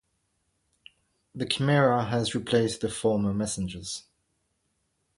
The chimera has replaced the former messengers.